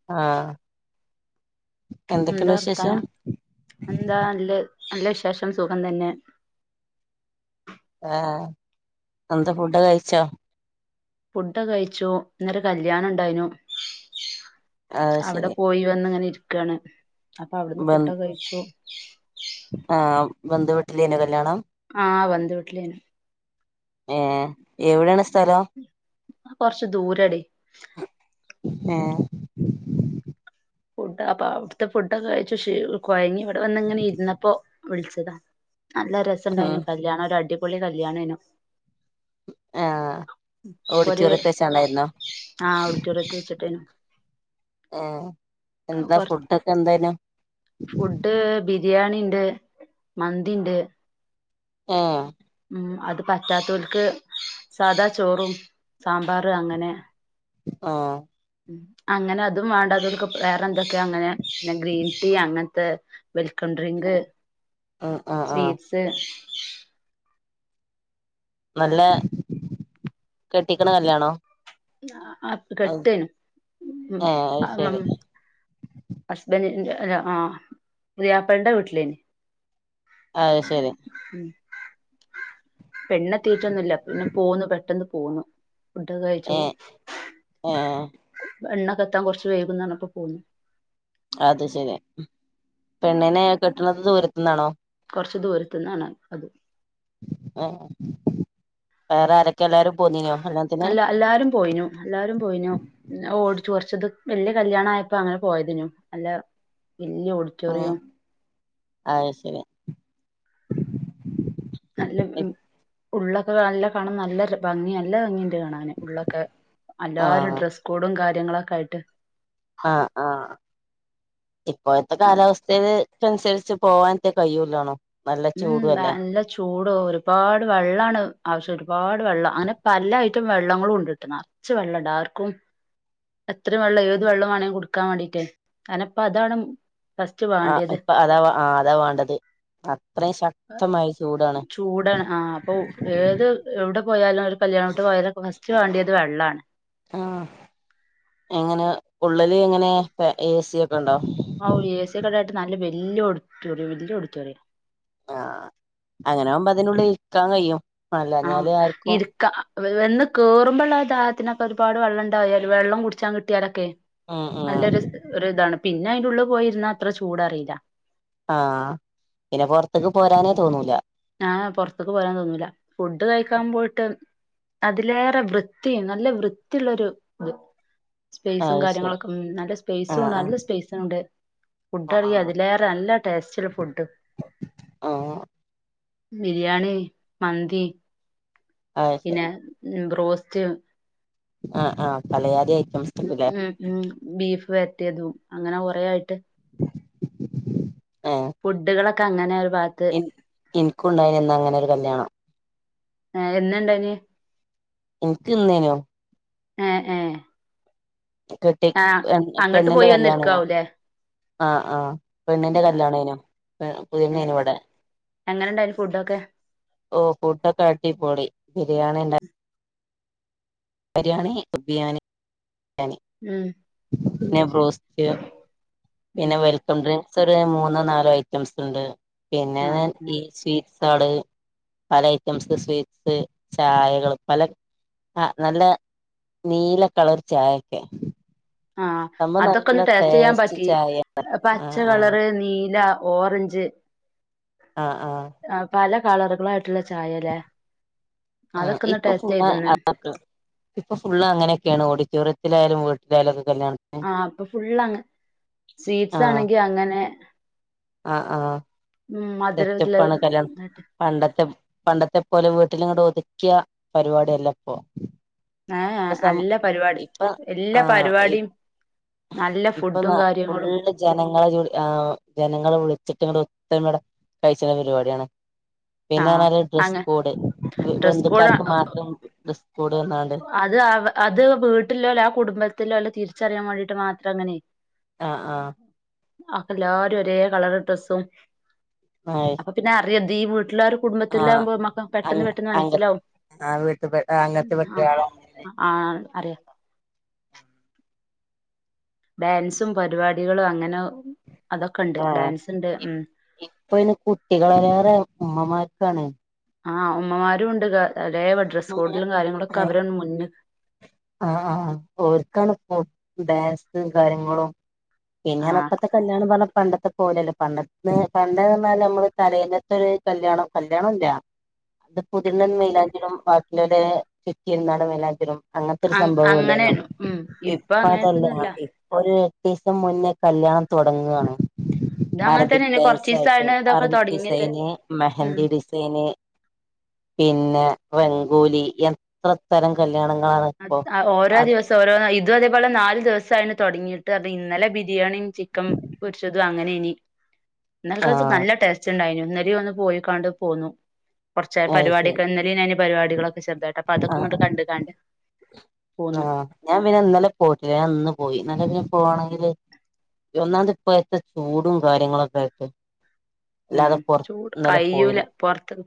ആഹ് എന്തൊക്കെണ്ട് എന്താ വിശേഷം വർത്താനം എന്താ നല്ലത് നല്ല വിശേഷം സുഖം തന്നെ ആഹ് എന്താ ഫുഡ് കഴിച്ചോ? ഫുഡൊക്കെ കഴിച്ചു ഇന്നൊരു കല്യാണണ്ടായിനു. അത് അവടെ ശരി പോയി വന്ന് ങ്ങനെ ഇരിക്കാണ് അപ്പവട്ന്ന് ബന്ധു ഫുഡൊക്കെ കഴിച്ചു. ആഹ് ബന്ധു വീട്ടിലേനൊ കല്യാണം. ആഹ് വന്തു വിട്ട്ലേനു. ഏഹ് എവടെണ് സ്ഥലം. കൊർച്ച് ദൂരെടീ. ഏഹ് ഫുഡ അപ്പൊ അവ്ട്ത്തെ ഫുഡൊക്കെ കഴിച്ചു ക്ഷീണു കൊഴങ്ങി ഇവടെ വന്ന്ങ്ങനെ ഇര്ന്നപ്പോ വിളിച്ചതാ. നല്ല ഉം രസണ്ടായിനു കല്യാണൊരടിപൊളി കല്യാണേനു. ആഹ് ഇപ്പൊര് ഓഡിറ്റോറിയത്ത് വെച്ചാണ്ടായിരുന്നോ ആഹ് ഓഡിറ്റോറിയത്ത് വെച്ച്ട്ടേനു. ആഹ് എന്താ കൊറ ഫുഡൊക്കെന്തെയ്നു? ഫുഡ് ബിരിയാണിണ്ട് മന്തിണ്ട്. ഏഹ് ഉം അത് പറ്റാത്തോൽക്ക് സാധാ ചോറും സാമ്പാർ അങ്ങനെ ആഹ് ഉം അങ്ങനെ അതും വാണ്ടാത്തോൽക്ക് വേറെന്തെക്ക്യോ അങ്ങനെ പിന്നെ ഗ്രീൻ ടീ അങ്ങൻത്തെ വെൽക്കം ഡ്രിങ്ക്, ഉം ആഹ് ആഹ് സ്വീറ്റ്സ് നല്ല കെട്ടിക്ക്ണ കല്യാണോ? അഹ് അത് കെട്ടേനും ഏഹ് അത് ശരി ഹസ്ബൻഡിന്റെ ല ആഹ് പുതിയാപൾ ണ്ടെ വീട്ടിലേന് ആഹ് ശരി ഉം പെണ്ണതീറ്റൊന്നുല്ല പിന്നെ പോന്നു പെട്ടെന്ന് പോന്നു ഫുഡക കഴിച്ചു ഏഹ് ഏഹ് പെണ്ണകത്താൻ കൊർച്ച് വൈകുന്നാണ് പ്പ പോന്നു അത് ശെരി പെണ്ണിനെ കെട്ട്ന്ന്ത് ദൂരത്ത്ന്നാണോ കൊർച്ച് ദൂരത്ത്ന്നാണ് അത് എഹ് വേറെ ആരക്കെ എല്ലാരും പോന്നിന്യോ അല്ലാന്ന് അല്ല എല്ലാരും പോയിനു എല്ലാരും പോയിനു ൻ ഓടിച്ചു കൊർച്ത് വല്യയ കല്യാണാ യപ്പ അങ്ങനെ പോയതേനു അല്ല വല്യോ ഓട് പിന്നെ അത് ശരി നല്ല വ്‌വ്ഉള്ളൊക്കെ നല്ല കാണാം നല്ല ര ഭംഗ്യ നല്ല ഭംഗിൺ ട്കാണാന് ഉള്ളൊക്കെ അല്ലാരും ആഹ് ഡ്രസ്സ് കോഡും കാര്യങ്ങളൊക്കെ ആയിട്ട് ആഹ് ആഹ് ഇപ്പോയത്തെ ആ കാലാവസ് തേന്ന് തൻസരിച്ചും പോവാൻത്തെ കയ്യുലാന്നോ ഉം ബേൻല ചൂടോ ഒരുപാട് വെള്ളാണ് ആവശ്യൊര് പാട് വെള്ള അങ്ങനെ പല്ല ഐറ്റം വെള്ളങ്ങളുണ്ട്ട്ട്ന്നാ ച്ച് വെള്ള ഡാർക്കും എത്ര വള്ള ഏത് വള്ള്യാണങ്കി ങ്കുടിക്കാ വാണ്ടീറ്റേ കാര്നപ്പതാണ് ഉം ആഹ് ഇപ്പ അതാവാ ആഹ് അതാ വാണ്ടത് അത്രേ ശക്തമായ ചൂടാണ് ചൂടാണ് ആഹ് അപ്പൊ ഉം ഏത് എവ്ട പോയാലാര് കല്യാണോട്ട് പോയാലര്കു ഫസ്റ്റ് വാണ്ട്യേത് വെള്ളാണ് ആഹ് എങ്ങനെ ഉള്ളല് എങ്ങനെ പേ എസിയോക്കണ്ടോ ഔ ഏസിക്കണ്ടായിട്ട് നല്ല വല്യയ ഓഡിറ്റോറിയം വല്യയ ഓഡിറ്റൊറിയം ആഹ് അങ്ങനാവുമ്പതിനുള്ളിൽ ഇര്ക്കാകയ്യും ആഹ് ഇര് ക്കാ വെ വെന്ന് കേറുമ്പള്ള ദാഹത്ത്നൊക്കൊര്പാട് വള്ളംണ്ടായാലും വെള്ളം കുട്ച്ചാൻ ങ്കി ട്ട്യാലക്കെ ഉം ഉം നല്ലൊരു സ്ഒര്താണ് പിന്നെ അയ്ന്റെ ള്ള്പോയിര്ന്നാ അത്ര ചൂടറീല ആഹ് ഇന്നെ പൊർത്ത്ക്ക് പോരാനേ തോന്നൂല ആഹ് പൊർത്ത്ക്ക് പോരാൻ തോന്നൂല ഫുഡ്ഡ്കയ്ക്കാൻ പോയ്ട്ട് അതിലേറെ വൃത്തിം നല്ല വൃത്തിള്ളൊരുത് സ്പൈസും അത് ശരി കാര്യങ്ങളൊക്കെ ഉം നല്ല ആഹ് സ്പൈസുണ്ട് നല്ല സ്പൈസണുണ്ട് ആഹ് ഫുഡ്ഡറിയേ ആഹ് അതിലേറെ നല്ല ടേസ്റ്റ്ള്ള ഫുഡ്ഡ് ആഹ് ബിരിയാണി മന്തി ആഹ് അത് ശരി പിന്നെ ബ്രോസ്റ്റ് ആഹ് ആഹ് പലയാതി ഐറ്റംസ്ണ്ട്ലേ ഉം ഉം ബീഫ് വര്റ്റ്യേതും അങ്ങനെ കൊറേ ആയിട്ട് എഹ് ഫുഡ്ഡ്കളക്കെ അങ്ങനെര് ഭാഗ എൻ എൻക്കുണ്ടായിര്ന്ന് അങ്ങനെ ഒരു കല്യാണം ആഹ് എന്നേണ്ടായ്ന് ഇൻക്ക് ഇന്നേനു എഹ് എഹ് കെട്ടി അങ്ങട്ട് പെണ്ണിന്റെ പോയി കല്യാണനു വന്നിരിക്കാവൂലേ ആഹ് ആഹ് പെണ്ണിന്റെ കല്ല്യാണയിനു പുതിയണ്ണേനു ഇവിടെ എങ്ങനെ ഉണ്ടായിരുന്നു ഫുഡൊക്കെ ഓ ഫുഡോക്കെ അടിപൊളി ബിരിയാണി ഉണ്ട- ബിരിയാണി ബിരിയാണി ഉം പിന്നെ അത് ശരി ബ്രോസ്റ്റ് പിന്നെ ഉം വെൽ കം ഡ്രിങ്ക്സ് ഒര് മൂന്നോ നാലോ ഐറ്റംസ് ഉണ്ട് പിന്നെ ആ ആ ഈ സ്വീറ്റ്സ് സാള് പല ഐറ്റംസ് സ്വീറ്റ്സ് ചായകള് പല ആഹ് നല്ല നീലകളർ ചായക്കെ ആഹ് അതൊക്കെ ഒന്ന് ടേസ്റ്റ്യ്യാൻ ടേസ്റ്റ് പറ്റി ചായ പച്ച ആഹ് ആഹ് കളറ് നീല ഓറഞ്ച് ഞ്ച് അഹ് ആഹ് ആ പല കളറുകളായിട്ടുള്ള ചായലെ ആഹ് ഇപ്പൊ ഫുള്ള് ചെയ്തന്ന് അങ്ങൻതെ ഇപ്പൊ ഫുള്ള് അങ്ങനൊക്കേണ് ഓഡിറ്റോറിയത്തിലായാലും വീട്ടിലായാലൊക്കെ കല്യാണം ആഹ് ഇപ്പൊ ഫുൾ അങ്ങ് സ്വീറ്റ്സ് ആണെങ്കി അങ്ങനെ ആഹ് ആഹ് ഉം, മധുരത്തില് സെറ്റപ്പാണ് കല്യാണം പണ്ടത്തെ പണ്ടത്തെ പോലെ വീട്ടിലിങ്ങടെ ഒതുക്കിയ പരിപാടിയല്ല ഇപ്പൊ. ആഹ് യേ ഇപ്പ സം നല്ല പരിപാടി ഇപ്പ എല്ലാ ആ പരിപാടിയും നല്ല ഇപ്പൊ ഫുഡും കാര്യങ്ങളും ഫുള്ള് ജനങ്ങളെ വിളി ആ ജനങ്ങളെ വിളിച്ചിട്ട് ഇങ്ങട്ട് ഒത്തരമടെ കഴിച്ചിണ പരിപാടിയാണ്. ആ പിന്നെറഞ്ഞാല് അങ്ങ ഡ്രസ്സ്കോഡ് ഡ്രസ് കോഡ് ബന്ധുക്കാർക്ക് മാത്രം ഡ്രസ്സ്കോഡ് പറഞ്ഞാണ്ട് അത് അത് വീട്ടിലോ അല്ല ആ കുടുംബത്തിലോല്ല തിരിച്ചറിയാൻ വേണ്ടിയിട്ട് മാത്രം അങ്ങനെ അഹ് ആഹ് അപ്പ എല്ലാരും ഒരേ കളറ് ഡ്രസ്സും ആയ് അപ്പൊ പിന്നെ അറിയത് ഈ വീട്ടിലാരു കുടുംബത്തിലാകുമ്പോക്ക പെട്ടെന്ന് പെട്ടെന്ന് അങ്ങ മനസ്സിലാവും ആ വീട്ട് അങ്ങനത്തെ പെട്ട ആഹ് ഒരാളാണ് ആഹ് അറിയ ഡാൻസും പരിപാടികളും അങ്ങനെ അതൊക്കെ ഉണ്ട് ആഹ് ഡാൻസ് ഉണ്ട് ഇ ഉം ഇപ്പയ്നി കുട്ടികളേറെ ഉമ്മമാർക്കാണ് ആഹ് ഉമ്മമാരും ഉണ്ട് അതേ ഡ്രസ്സ് കോഡിലും കാര്യങ്ങളൊക്കെ ആഹ് അവര മുന്ന് ആഹ് ആ ഓർക്കാണ് ഇപ്പൊ ഡാൻസും കാര്യങ്ങളും പിന്നർഞ്ഞ ആ ഇപ്പത്തെ കല്യാണംപർഞ്ഞ പണ്ടത്തെ പോലല്ലേ പണ്ട പണ്ടറഞ്ഞാൽ നമ്മള് തലേന്നത്തരു കല്യാണം കല്യാണം ഇല്ല അന്ന് പുതിയണ്ണിൻ മൈലാഞ്ചിയിടും ബാക്കിയുള്ളവരെ ചുറ്റും ഇരുന്നാണ്ട് മൈലാഞ്ചിടും അങ്ങൻതൊരു അങ്ങനെ സംഭവള്ളേനോ ഉം ഇപ്പൊ ഇപ്പ അതല്ല അങ്ങനത്തൊന്നുല്ല ഒരു എട്ടീസം മുന്നേ കല്യാണം തുടങ്ങാണ്. ഇത് അങ്ങനെ അറബിക് തന്നെയാണ് ഡാൻസായിട്ടും കൊറച്ചീസായിണ് ഇതൊക്കെ അറബിക് തൊടങ്ങിട്ട് ഡിസൈന് ഉം മെഹന്ദി ഡി സൈന് പിന്നെ വംഗൂലി എത്ര തരം കല്യാണങ്ങളാണ് ഇപ്പൊ ഓരോ അത് ദിവസം ഓരോന്നായി ഇതും അതേപോലെ നാല് ദിവസായിണ് തുടങ്ങിയിട്ട് അത് ഇന്നലെ ബിരിയാണിയും ചിക്കൻ പൊരിച്ചതും അങ്ങനെനി ഇന്നൽക്കത് ആഹ് നല്ല ടേസ്റ്റ് ഉണ്ടായിനി ഇന്നലി ഒന്ന് പോയികാണ്ട് പോന്നു കുറച്ച അത് പരിപാടി ശരി കണ്ട് പരിപടികളൊക്കെ ചെറുതായിട്ട് അപ്പോ ആഹ് അതൊക്കെങ്ങട്ട് കണ്ട്കാണ്ട് ആഹ് ഞാൻ പിന്നെ ഇന്നലെ പോയിട്ടില്ല ഞാൻ ഇന്ന് പോയി ഇന്നലെ പിന്നെ പോവണെങ്കില്. ഒന്നാമത് ഇപ്പഴത്തെ ചൂടും കാര്യങ്ങളൊക്കെ ആട്ട് ഉം ചൂട് കയ്യൂല പോയില്ല പൊറത്ത്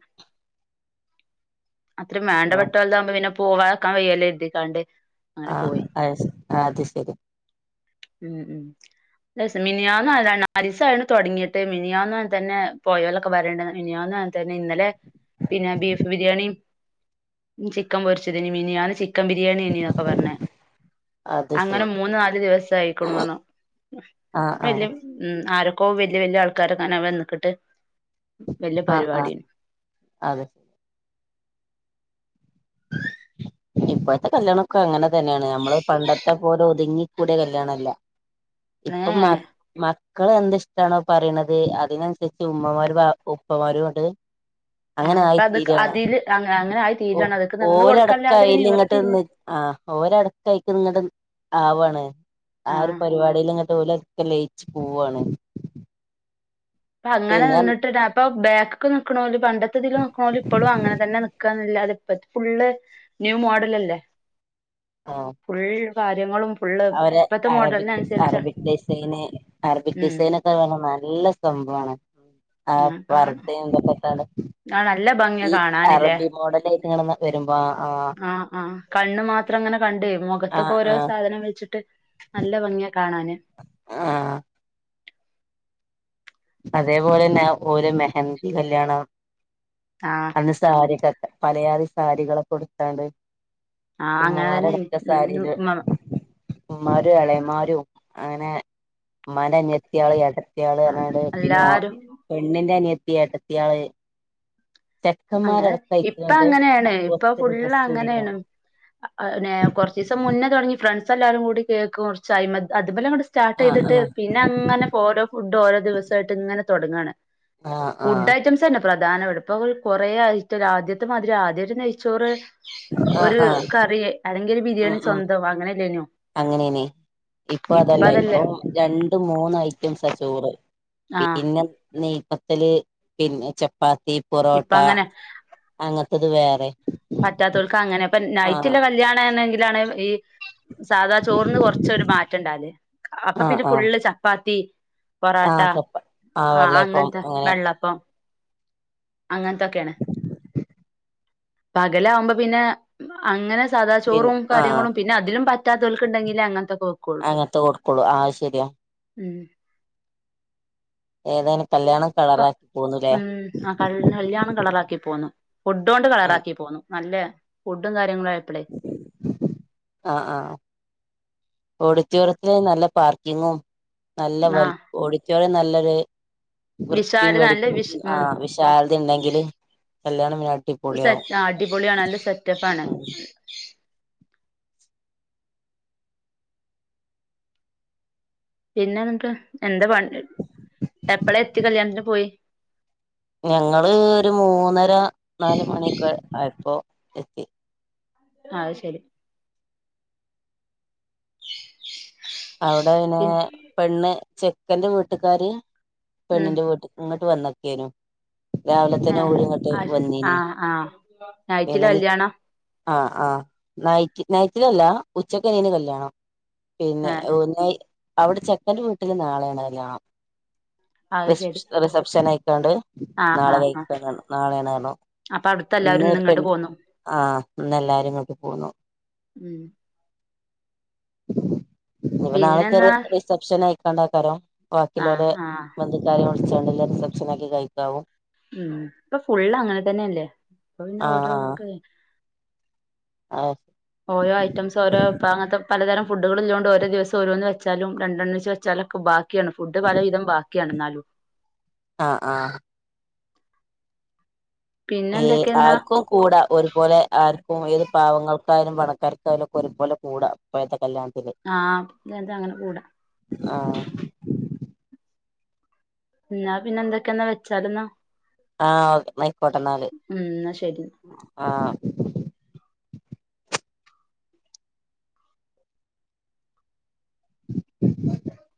അത്രയും വേണ്ടപ്പെട്ടമതാകുമ്പോ പിന്നെ പോവാതിക്കാൻ വയ്യല്ലേ എഴുക്കാണ്ട് ആഹ് അ അത് ശരി ഉം ഉം മിനിയാന്നാണ് നാലീസായി തുടങ്ങിട്ട് മിനിയന്ന് തന്നെ പോയല്ലൊക്കെ വരേണ്ടത് മിനിയാന്ന. തന്നെ ഇന്നലെ പിന്നെ ബീഫ് ബിരിയാണി. ചിക്കൻ പൊരിച്ചത് മിനിയന്ന് ചിക്കൻ ബിരിയാണി ഇനന്നൊക്കെ പറഞ്ഞേ അത് അങ്ങനെ ശരി മൂന്ന് നാല് ദിവസ ആയിക്കണ പറഞ്ഞ് ആഹ് വല്യ ആഹ് ഉം ആരൊക്കെ വല്യ വല്യ ആൾക്കാരൊക്ക വന്നക്കിട്ട് ആഹ് ആഹ് അതെ ഇപ്പോഴത്തെ കല്യാണൊക്കെ അങ്ങനെ തന്നെയാണ് നമ്മള് പണ്ടത്തെ പോലെ ഒതുങ്ങിക്കൂടിയ കല്യാണല്ല ഏ ഇപ്പൊ മാ മക്കൾ എന്ത ഇഷ്ടാണോ പറയണത് അതിനനുസരിച്ച് ഉമ്മമാരും ഉപ്പമാരും അത് അങ്ങനെ ആഹ് അപ്പൊ അത ആയിത്തീരാണ് അതിൽ അ അങ്ങനെ ആയി തീരാണ് അതൊക്കെ നിന്ന് കൊടുക്കല്ലാതെ ഇങ്ങട്ട്ന്ന് ആ ഓരടക്ക ആായിരിക്കും നിങ്ങട്ട ആവാണ്.. ആ ഒരു ആഹ് പരിപാടിൽ ങ്ങോട്ട് പോലെ ഒക്കെ ലയിച്ച് പോവാണ്. അപ്പൊ അങ്ങനെ പിന്നെ നിന്നിട്ട് അപ്പൊ ബാക്ക്. നിക്ക്ണോല് പണ്ടത്തെതിൽ നിക്ണാൽ ഇപ്പോഴും അനെ തന്നെ നിക്കക്കുഎന്നല്ലാതെ.. അപ്പ ഫുള്ള് ന്യൂ മോഡൽ അല്ലേ. ആഹ് ഫുൾ കാര്യങ്ങളും. ഫുള്ള് അവരെ ഇപ്പത്തെ അറബിക് മോഡലിനനുസരിച്ചാ അറബിക് ഡിസൈന് അറബിക് ഉം ഡിസൈൻ.. അതേപലെ നല്ല സംഭവമാണ് ആ ഞാൻ കാണും ഫർധതൊക്കെപാടെ.. ആ നല്ല ഭംഗിയാ ഈ കാണാനില്ലേ അറബി മോഡല ആയിട്ടങ്ങ വരുമ്പോ ആ.. ആഹ് ആഹ് കണ്ണ് മാത്രം അങ്ങനെ കണ്ടു മുഖത്തൊക്കെ ആഹ് ഓരോ ആഹ് സാധനം വെച്ചിട്ട്. നല്ല ഭംഗിയ കാണാന്.. ആഹ് അതേപോലെ തന്നെ ഓരോ മെഹന്തി കല്യാണം. ആഹ്. പി സാരിക്കക്കെ പലയാത സാരികളൊക്കെ കൊടുത്താണ്ട്.. ആഹ് അങ്ങനെ തന്നെയാണ് ഉമ്മമാരാടകം ഉം സാരിയില്. ഉം, മ ഉമ്മാരും എളയമാരും അങ്ങനെ ഉമ്മാന്റെ അനിയത്തിയാള് എടത്തിയാള് അല്ല, എന്നത്. പിന്നെ എല്ലാരും പെണ്ണിന്റെ അനിയത്തി ഏട്ടത്തിയാള്.. അങ്ങനെ ചെക്കന്മാരടക്കം ഇപ്പ അയിക്ക്ങ്ങട്ട് അങ്ങനെയാണ് ഇപ്പൊ ഒത്തൊരു ഫുള് ഡ്രസ്സ് വരാ അങ്ങനെയാണ്. അന്നെ കുറചീസം മുന്നേ തുടങ്ങി ഫ്രണ്ട്സ് എല്ലാവാരും കൂടി കേൾക്കും കുറച്ച് അതമെലെല്ലാം. ക സ്റ്റാർട്ട് ആഹ് ചെയ്തിട്ട് പിന്നെ അങ്ങനെ ഓരോ ഫുഡ് ഓരോ ദിവസമായിട്ട് ഇങ്ങനെ തുടങ്ങയാണ്.. ആഹ് ഫുഡ് ആഹ് ഐറ്റംസ് തന്നെ പ്രധാന ഇ ഇപ്പ. കൊറേ ആയിട്ട ആദ്യത്തെ മാതിരി ആദ്യട്ട് നെയ്ച്ചോറ്. ആഹ് ഒരു ആഹ് ആഹ് കറി അല്ലെങ്കിൽ ഒരു ബിരിയാണി സ്വന്തം അങ്ങനെല്ലേനോ. അങ്ങനേനെ ഇപ്പൊ അതല്ല ഇപ്പൊ രണ്ട് മൂന്ന് ഐറ്റംസാ ചോറ്. ആഹ് പിന്നെ നെയപ്പത്തല് പിന്നെ ചപ്പാത്തി. ഇപ്പ പൊറോട്ട അങ്ങനെ അങ്ങനത്തത് വേറെ. പറ്റാത്തവർക്ക് അങ്ങനെ അപ്പ നൈറ്റില ആഹ് കല്യാണംണെങ്കിലാണ് ഈ.. സാധാ ചോറിന്ന് കൊറച്ചര് മാറ്റം ഉണ്ടല്ലേ അപ്പൊ ആഹ് പിന്നെ ആഹ് ഫുള്ള് ചപ്പാത്തി പൊറോട്ട ആഹ് ചപ്പ ആഹ് ആ വെള്ളയപ്പം അങ്ങനത്തെ അങ്ങനെ വെള്ളപ്പം. അങ്ങനത്തൊക്കെയാണ്. പകലാകുമ്പോ പിന്നെ. അങ്ങനെ സാദാ പിൻ ചോറും ആഹ് കാര്യങ്ങളും പിന്നെ അതിലും പറ്റാത്തവർക്ക് ഉണ്ടെങ്കിലേ അങ്ങനത്തൊക്കെ വെക്കുള്ളൂ. ക്കളു ആഹ ശരിയാ. ഉം ഏതേനും കല്യാണം കളറാക്കി പോന്നുലെ. നല്യാണം കളറാക്കി പോന്നു ഫുഡൊണ്ട് ആ കളറാക്കി പോന്നു നല്ല ഫുഡും കാര്യങ്ങളും ആയപ്പോഴേ. ആഹ ആഹ. ഓഡിറ്റോറിയത്തി നല്ല പാർക്കിങ്ങും നല്ല ആ വ ഓഡിറ്റോറിയം നല്ലൊരു.. വൃത്തിയും വിശാല് നല്ല വെടിപ്പും വിശ ഉം ആഹ വിശാലത ഉണ്ടെങ്കില് കല്യാണം അടി പൊള്യാവും. അടിപൊളിയ നല്ല സെറ്റപ്പ് ആണ്. പിന്നെ എന്താഎന്താ പ എപ്പഴാ എത്തി കല്യാണത്തിന് പോയി. ഞങ്ങള് ഒരു മൂന്നര നാാല മണിക്ക് ആയപ്പോഎത്തി. ആഹ് ശെരി. അവിടെ അയ്ന് പിൻ പെണ്ണ് ചെക്കന്റെ വീട്ടുകാര് ഉം പെണ്ണിന്റെ വീട്ടാ.. ഇങ്ങോട്ട് വന്നക്കേനും. രാവിലെ തന്നെ ഏഹ് ഴ ഇങ്ങോട്ട് അത് ശ വന്നീന് ആഹ് ആഹ് നൈറ്റിലാ വനെ. കല്യാണം ആഹ ആ നൈറ്റ് നൈറ്റിൽല്ല ഉച്ചക്കനീന് കല്യാണം പിന്നെ.. ഏഹ് ഏഹ് നൈറ്റ്അവിടെ ചെക്കന്റെ വീട്ടില് നാളെ ണാല അത് ശരി റിസപ്ഷൻ ആയിക്കോണ്ട് ആഹ് നാളെ ആഹ് ആഹ് കഴിക്ക നാളെ ണാലാ അപ്പൊ അവിടുത്തെ എല്ലാവരും ഇന്ന് ഇങ്ങോട്ട് പിന്നെ പോന്നു ആഹ് ഇന്ന് എല്ലാരുംങ്ങോട്ട് പോന്നു ഉം ഇപ്പം നാളെ പിന്നെന്നാ ചെറിയ റിസപ്ഷൻ അയക്കാണ്ടാക്കാരം വാക്കിലെ പോലെ ആഹ് ആഹ് ബന്ധുക്കാരെ വിളിച്ചണ്ടെങ്കിൽ റിസെപ്ഷന ആക്കി കഴിക്കാവും ഉം ഇപ്പൊ ഫുള്ള് അങ്ങനെ തന്നെയല്ലേ അപ്പൊ പിന്നെ ആഹ് ഓരോന്നക്കെ ആഹ് ഓരോ ഐറ്റംസ് ഓ ഇപ്പോ അങ്ങനത്തെ പലതരം ഫുഡുകള് ഒളളത് കൊണ്ട്ഓരോദിവസം ഓരോന്ന് വച്ചുംരണ്ടെണ്ണ വെച്ചാലൊക്കെ ബാക്കി ക്കിയാണ്ഫുഡ് പല വിധം ബാക്കിയാണ് എന്നാലും ആഹ് ആഹ് പിന്നെ ഏ എന്തൊക്കെയെന്നാ ആർക്കും കൂടാ ഒരുപോലെ ആർക്കും ഏത് പാവങ്ങൾക്കായാലും പണക്കാർക്കായാലും ഒക്കെ ഒരുപോലെ കൂടാ ഇപ്പോഴത്തെ കല്യാണത്തിന് ആഹ് അതെ അങ്ങനെ കൂടാം ആഹ എന്നാ പിന്നെ എന്തൊക്കെയാ വെച്ചാല് ന്നാ ആഹ് ഒക്കെആയിക്കോട്ടെ ന്നാല് ഉം എന്നാ ശരി ആഹ് [inaudible]